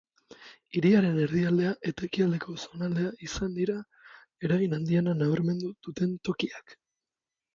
Hiriaren erdialdea eta ekialdeko zonaldea izan dira eragin handiena nabarmendu duten tokiak.